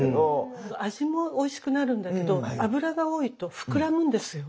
味もおいしくなるんだけど油が多いと膨らむんですよ